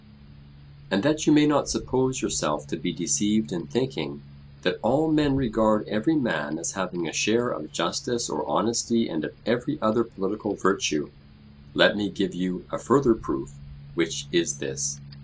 And that you may not suppose yourself to be deceived in thinking that all men regard every man as having a share of justice or honesty and of every other political virtue, let me give you a further proof, which is this.